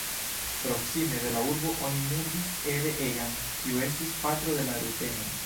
Proksime de la urbo oni murdis Ede Egan, kiu estis patro de la rutenoj.